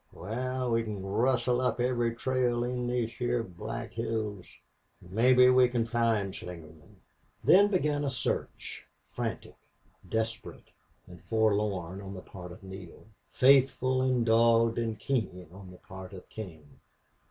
"Wal, we can rustle up every trail in these heah Black Hills. Mebbe we can find Slingerland." Then began a search frantic, desperate, and forlorn on the part of Neale; faithful and dogged and keen on the part of King.